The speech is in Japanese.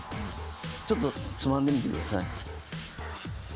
ちょっとつまんでみてください。